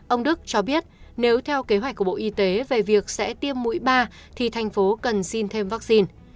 ông đức cho biết nếu theo kế hoạch của bộ y tế về việc sẽ tiêm mũi ba thì thành phố cần xin thêm vaccine